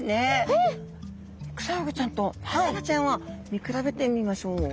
クサフグちゃんとマサバちゃんを見比べてみましょう。